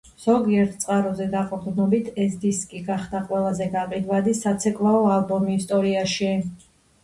ზოგიერთ წყაროზე დაყრდნობით ეს დისკი გახდა ყველაზე გაყიდვადი საცეკვაო ალბომი ისტორიაში.